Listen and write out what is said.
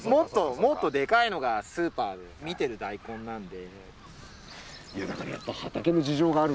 もっとでかいのがスーパーで見てる大根なんで。